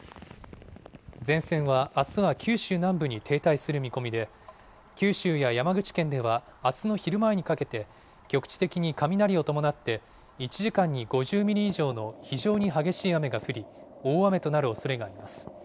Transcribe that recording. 前線はあすは九州南部に停滞する見込みで、九州や山口県ではあすの昼前にかけて、局地的に雷を伴って、１時間に５０ミリ以上の非常に激しい雨が降り、大雨となるおそれがあります。